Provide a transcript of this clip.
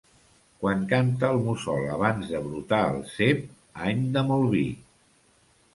Quan canta el mussol abans de brotar el cep, any de molt vi.